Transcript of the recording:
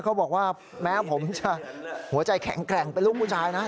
เขาบอกว่าแม้ผมจะหัวใจแข็งแกร่งเป็นลูกผู้ชายนะ